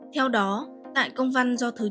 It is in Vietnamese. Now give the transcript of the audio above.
theo đó tại công văn do thủ tướng